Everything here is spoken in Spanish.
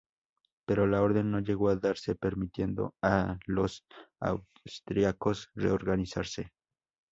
Pero la orden no llegó a darse permitiendo a los austriacos reorganizarse.